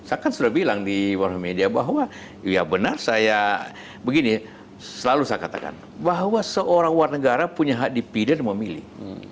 saya kan sudah bilang di luar media bahwa ya benar saya begini selalu saya katakan bahwa seorang warga negara punya hak dipilih dan memilih